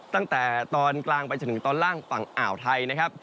ตั้งแต่ตอนกลางไปจนถึงตอนล่างฝั่งอ่าวไทยนะครับ